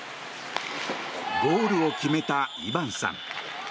ゴールを決めたイバンさん。